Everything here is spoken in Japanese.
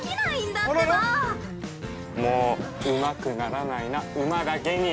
もう、うまくならないな馬だけに！